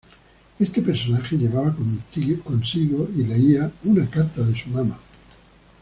Este personaje llevaba consigo, y leía, una carta de su madre.